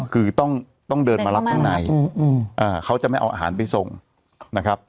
คือต้องเดินมารับข้างในเขาจะไม่เอาอาหารไปส่งนะครับ